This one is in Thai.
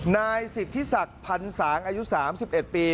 นายสิบที่สัตว์พันธุ์สามอายุ๓๑ปี